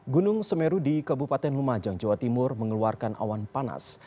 gunung semeru di kabupaten lumajang jawa timur mengeluarkan awan panas